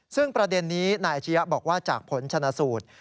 ซึ่งประเด็นนี้นายอาชียะบอกว่าจากผลชนะสูตร